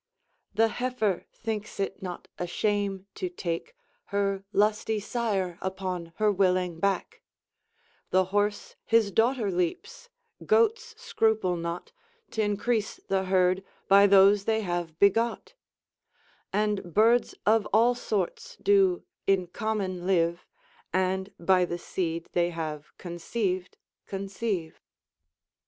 "The heifer thinks it not a shame to take Her lusty sire upon her willing back: The horse his daughter leaps, goats scruple not T' increase the herd by those they have begot; And birds of all sorts do in common live, And by the seed they have conceived conceive."